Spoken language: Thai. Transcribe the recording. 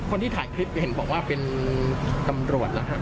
คนที่ถ่ายคลิปเห็นบอกว่าเป็นตำรวจแล้วครับ